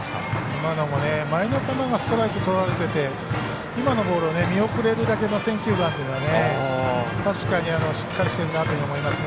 今のも前の球がストライクとられてて今のボールは見送れるだけの選球眼が確かに、しっかりしてるなと思いますね。